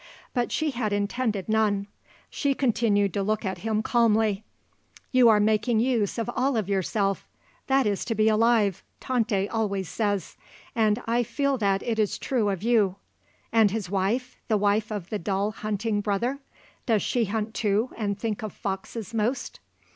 But she had intended none. She continued to look at him calmly. "You are making use of all of yourself; that is to be alive, Tante always says; and I feel that it is true of you. And his wife? the wife of the dull hunting brother? Does she hunt too and think of foxes most?"